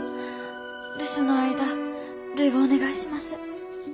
留守の間るいをお願いします。